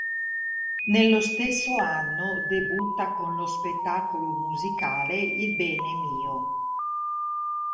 Nello stesso anno debutta con lo spettacolo musicale "Il bene mio".